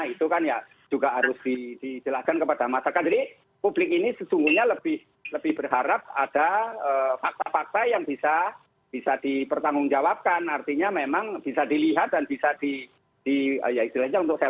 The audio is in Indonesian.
itu kan ya juga harus dijelaskan kepada masyarakat jadi publik ini sesungguhnya lebih lebih berharap ada fakta fakta yang bisa bisa dipertanggungjawabkan artinya memang bisa dilihat dan bisa di ya istilahnya untuk saya